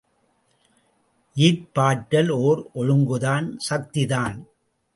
ஈர்ப்பாற்றல் ஓர் ஒழுங்குதான் சக்திதான்.